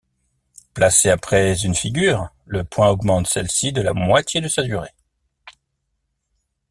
Placé après une figure, le point augmente celle-ci de la moitié de sa durée.